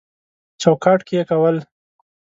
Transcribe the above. چوکاټ کې کول